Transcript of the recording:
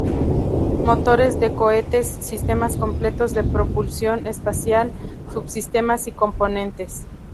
Motores de cohetes, sistemas completos de propulsión espacial, sub-sistemas y componentes.